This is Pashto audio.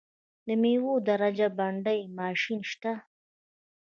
د میوو د درجه بندۍ ماشین شته؟